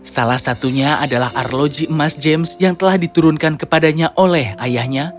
salah satunya adalah arloji emas james yang telah diturunkan kepadanya oleh ayahnya